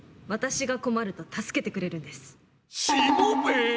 私が困ると助けてくれるんです。